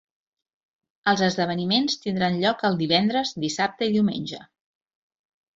Els esdeveniments tindran lloc el divendres, dissabte i diumenge.